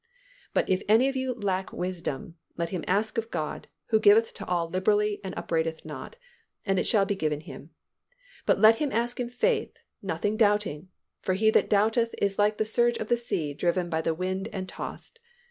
"But if any of you lack wisdom, let him ask of God, who giveth to all liberally and upbraideth not; and it shall be given him. But let him ask in faith, nothing doubting: for he that doubteth is like the surge of the sea driven by the wind and tossed.